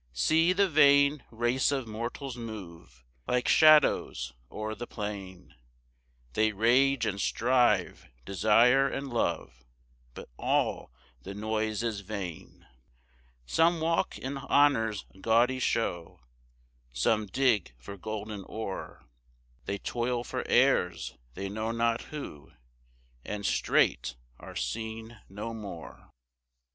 3 See the vain race of mortals move Like shadows o'er the plain; They rage and strive, desire and love, But all the noise is vain. 4 Some walk in honour's gaudy show, Some dig for golden ore, They toil for heirs, they know not who, And straight are seen no more.